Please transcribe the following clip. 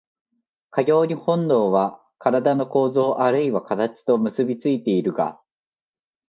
かように本能は身体の構造あるいは形と結び付いているが、